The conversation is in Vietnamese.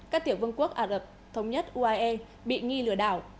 các tiểu vương quốc ả rập thống nhất uae bị nghi lừa đảo